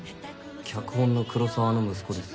脚本の黒澤の息子です